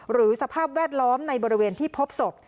สภาพแวดล้อมในบริเวณที่พบศพ